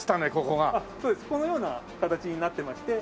このような形になってまして。